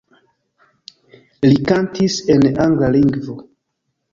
Li kantis en angla lingvo.